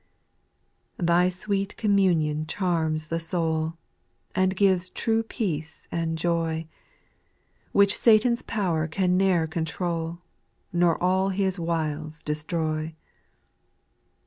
0. Thy sweet communion charms the soul, And gives true peace and joy, Which Satan's power can ne'er control, Nor all his wiles destroy.